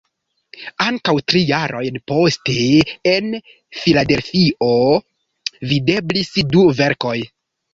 Ankaŭ tri jarojn poste en Filadelfio (Pensilvanio) videblis du verkoj.